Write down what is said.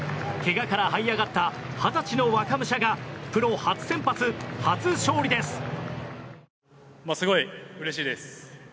けがからはい上がった二十歳の若武者がプロ初先発、初勝利です。